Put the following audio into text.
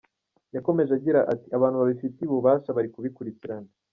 Yakomeje agira ati “Abantu babifitiye ububasha bari kubikurikirana.